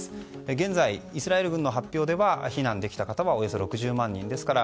現在、イスラエル軍の発表では避難できた方はおよそ６０万人。